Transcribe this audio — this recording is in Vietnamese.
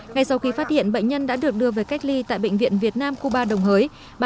ngay sau khi phát hiện bệnh nhân đã được đưa về cách ly tại bệnh viện việt nam cuba đồng hới